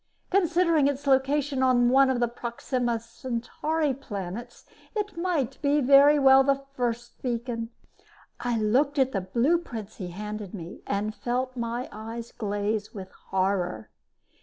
Considering its location on one of the Proxima Centauri planets, it might very well be the first beacon." I looked at the blueprints he handed me and felt my eyes glaze with horror.